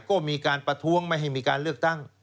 ก็มีการประท้วงไม่ให้มีการเลือกตั้ง